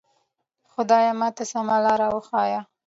خدایه ماته سمه لاره وښیه.